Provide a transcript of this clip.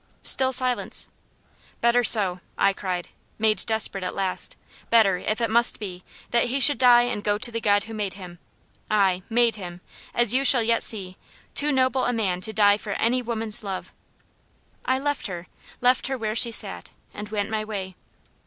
Still silence. "Better so!" I cried, made desperate at last. "Better, if it must be, that he should die and go to the God who made him ay, made him, as you shall yet see, too noble a man to die for any woman's love." I left her left her where she sat, and went my way.